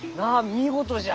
見事じゃ。